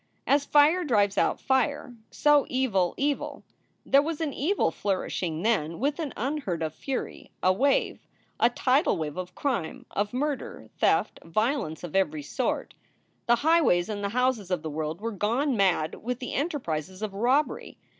As fire drives out fire, so evil evil. There was an evil flourishing then with an unheard of fury a wave, a tidal wave of crime, of murder, theft, violence of every sort. The highways and the houses of the world were gone mad with the enterprises of robbery.